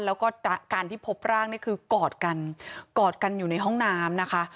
แล้วก็การที่พบร่างนี่คือกอดกันกอดกันอยู่ในห้องน้ำนะคะ